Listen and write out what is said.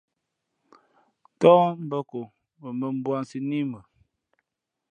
Ntαά mbᾱ ko wen bᾱ mbūᾱsī nā í mʉ.